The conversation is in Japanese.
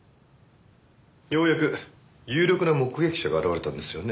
ようやく有力な目撃者が現れたんですよね？